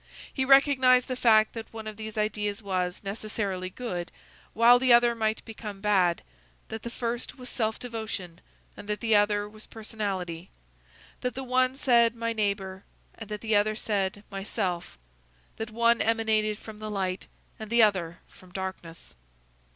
He recognized the fact that one of these ideas was, necessarily, good, while the other might become bad; that the first was self devotion, and that the other was personality; that the one said, my neighbour, and that the other said, myself; that one emanated from the light, and the other from darkness.